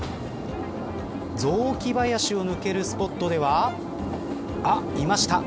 雑木林を抜けるスポットではあっ、いました。